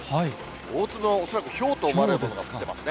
大粒の、恐らくひょうと思われるものが降ってますね。